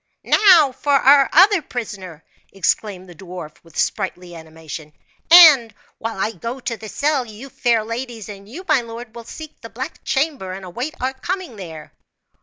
"Now for our other prisoner!" exclaimed the dwarf with sprightly animation; "and while I go to the cell, you, fair ladies, and you my lord, will seek the black chamber and await our coming there."